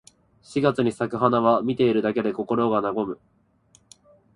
四月に咲く桜は、見ているだけで心が和む。